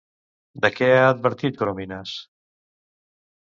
De què ha advertit Corominas?